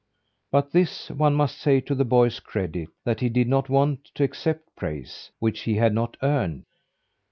But this one must say to the boy's credit: that he did not want to accept praise which he had not earned.